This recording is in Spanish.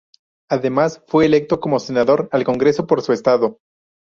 Además, fue electo como senador al Congreso por su estado.